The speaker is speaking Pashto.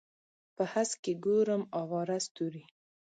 په هسک کې ګورم اواره ستوري